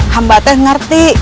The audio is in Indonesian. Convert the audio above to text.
hamba teh ngerti